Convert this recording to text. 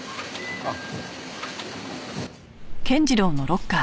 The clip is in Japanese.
あっ。